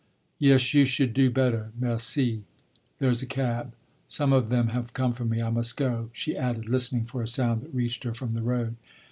"Yes, you should do better. Merci! There's a cab: some of them have come for me. I must go," she added, listening for a sound that reached her from the road.